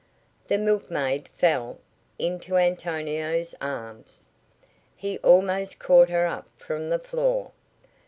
The milkmaid fell into Antonio's arms. He almost caught her up from the floor.